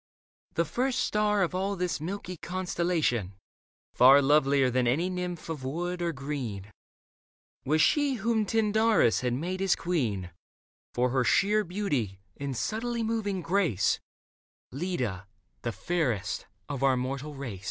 The first star Of all this milky constellation, far Lovelier than any nymph of wood or green. Was she whom Tyndarus had made his queen For her sheer beauty and subtly moving grace — Leda, the fairest of our mortal race.